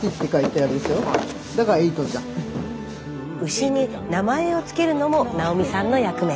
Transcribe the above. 牛に名前を付けるのも奈緒美さんの役目。